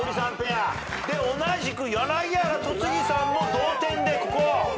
同じく柳原・戸次さんも同点でここ。